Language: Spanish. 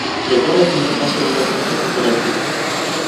Los dos recintos han tenido centros diferentes.